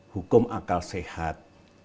hukum akal sehat